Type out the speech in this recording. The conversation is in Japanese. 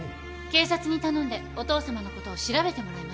警察に頼んでお父さまのことを調べてもらいました。